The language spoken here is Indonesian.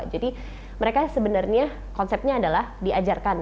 jadi mereka sebenarnya konsepnya adalah diajarkan